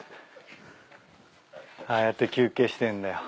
ああやって休憩してんだよ。